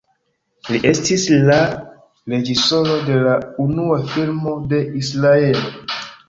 Li estis la reĝisoro de la unua filmo de Izraelo.